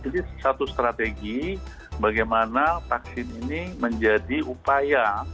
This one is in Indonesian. jadi satu strategi bagaimana vaksin ini menjadi upaya